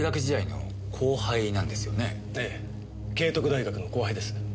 慶徳大学の後輩です。